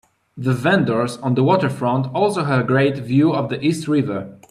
The vendors on the waterfront also have a great view of the East River.